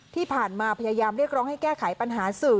ที่ผ่านมาพยายามเรียกร้องให้แก้ไขปัญหาสื่อ